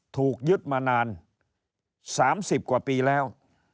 ถูกยึดมานาน๓๐กว่าปีแล้ว